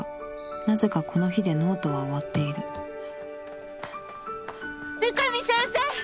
なぜかこの日でノートは終わっている三上先生！